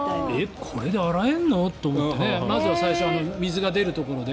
これで洗えるの？と思ってまず最初、水が出るところを。